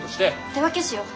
手分けしよう。